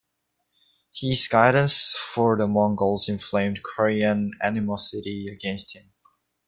His guidance for the Mongols inflamed Korean animosity against him.